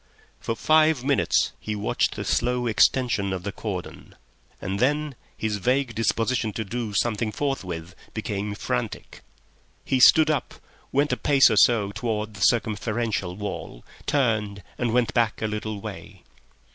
For five minutes he watched the slow extension of the cordon, and then his vague disposition to do something forthwith became frantic. He stood up, went a pace or so towards the circumferential wall, turned, and went back a little way.